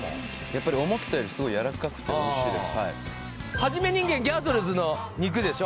やっぱり思ってたよりスゴいやわらかくておいしいです「はじめ人間ギャートルズ」の肉でしょ？